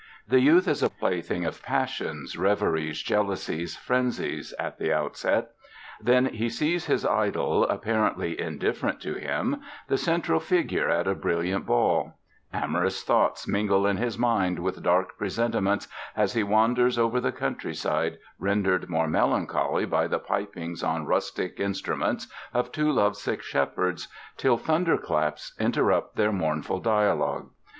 The youth is a plaything of passions, reveries, jealousies, frenzies at the outset; then he sees his idol, apparently indifferent to him, the central figure at a brilliant ball; amorous thoughts mingle in his mind with dark presentiments as he wanders over the countryside, rendered more melancholy by the pipings on rustic instruments of two love sick shepherds, till thunderclaps interrupt their mournful dialogue.